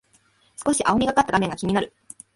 少し青みがかった画面が気になる